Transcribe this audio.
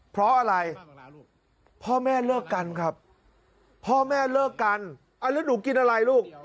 พ่อแม่เลิกกันครับพ่อแม่เลิกกันอ่ะแล้วหนูกินอะไรลูก